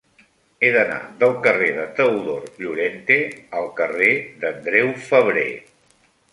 He d'anar del carrer de Teodor Llorente al carrer d'Andreu Febrer.